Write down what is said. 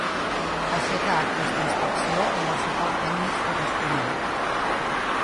Aixeca actes d'inspecció amb el suport tècnic corresponent.